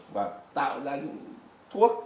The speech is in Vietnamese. và tạo ra những thuốc